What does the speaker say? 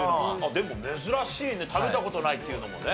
でも珍しいね食べた事ないっていうのもね。